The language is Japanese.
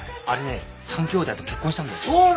あれね３兄弟と結婚したんだよ。